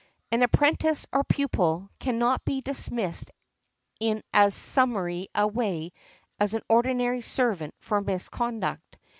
An apprentice, or pupil, cannot be dismissed in as summary a way as an ordinary servant for misconduct.